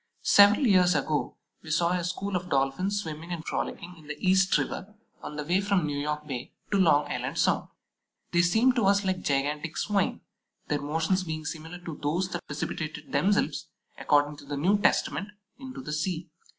Several years ago we saw a school of Dolphins swimming and frolicking in the East River on the way from New York Bay to Long Island Sound. They seemed to us like gigantic Swine, their motions being similar to those that precipitated themselves, according to the New Testament, into the sea.